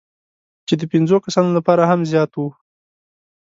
چې د پنځو کسانو لپاره هم زیات وو،